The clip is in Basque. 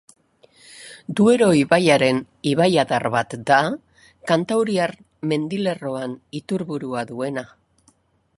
Duero ibaiaren ibaiadar bat da, Kantauriar mendilerroan iturburua duena.